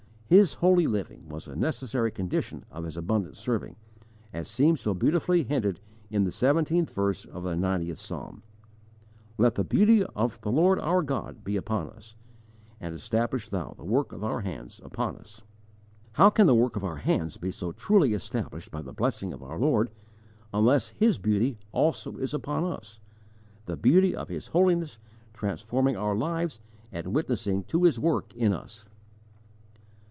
His holy living was a necessary condition of his abundant serving, as seems so beautifully hinted in the seventeenth verse of the ninetieth Psalm: "Let the beauty of the Lord our God be upon us, And establish Thou the work of our hands upon us." How can the work of our hands be truly established by the blessing of our Lord, unless His beauty also is upon us the beauty of His holiness transforming our lives and witnessing to His work in us?